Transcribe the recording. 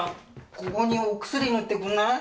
ここにお薬塗ってくんない？